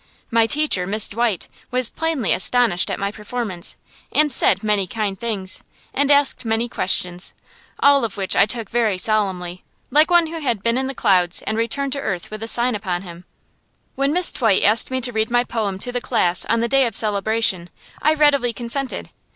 My teacher, Miss Dwight, was plainly astonished at my performance, and said many kind things, and asked many questions; all of which I took very solemnly, like one who had been in the clouds and returned to earth with a sign upon him. When Miss Dwight asked me to read my poem to the class on the day of celebration, I readily consented.